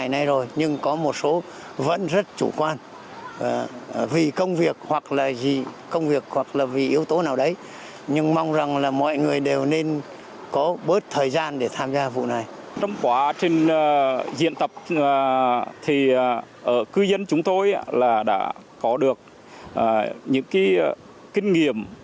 trong quá trình diễn tập cư dân chúng tôi đã có được những kinh nghiệm